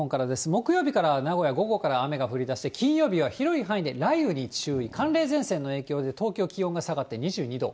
木曜日から名古屋午後から雨が降りだして、金曜日は広い範囲で雷雨に注意、寒冷前線の影響で、東京、気温が下がって２２度。